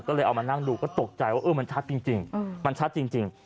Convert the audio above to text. ก็เลยเอามานั่งดูก็ตกใจว่ามันชัดจริง